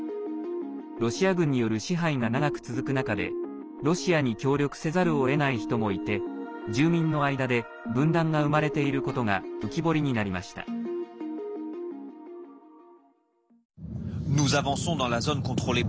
ロシア軍による支配が長く続く中でロシアに協力せざるをえない人もいて住民の間で分断が生まれていることが浮き彫りになりました。